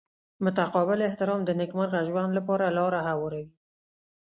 متقابل احترام د نیکمرغه ژوند لپاره لاره هواروي.